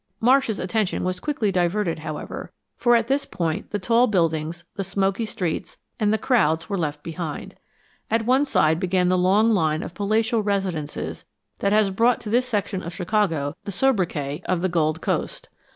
Marsh's attention was quickly diverted, however, for at this point the tall buildings, the smoky streets, and the crowds were left behind. At one side began the long line of palatial residences that has brought to this section of Chicago the sobriquet of "The Gold Coast."